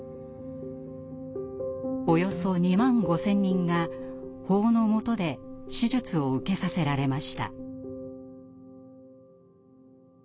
およそ２万５，０００人が法の下で手術を受けさせられました。